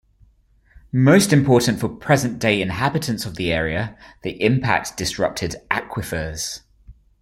Most important for present-day inhabitants of the area, the impact disrupted aquifers.